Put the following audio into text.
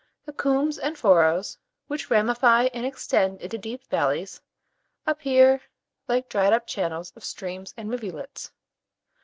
The coombes and furrows, which ramify and extend into deep valleys, appear like dried up channels of streams and rivulets.